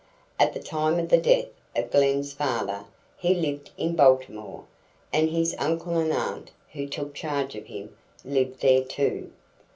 At the time of the death of Glen's father, he lived in Baltimore, and his uncle and aunt, who took charge of him, lived there, too.